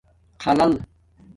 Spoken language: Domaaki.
خلل